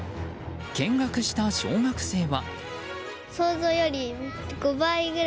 見学した小学生は。